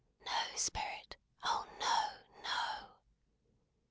"No, Spirit! Oh no, no!"